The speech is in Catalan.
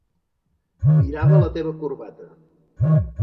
Mirava la teva corbata.